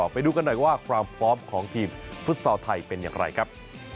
ไปดูกันหน่อยว่าความพร้อมของทีมฟุตซอลไทยเป็นอย่างไรครับ